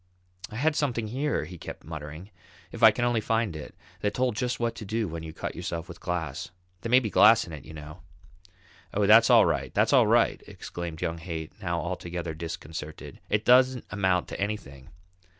"I had something here," he kept muttering, "if I can only find it, that told just what to do when you cut yourself with glass. There may be glass in it, you know." "Oh, that's all right, that's all right," exclaimed young Haight, now altogether disconcerted. "It don't amount to anything."